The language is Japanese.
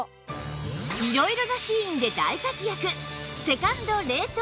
色々なシーンで大活躍！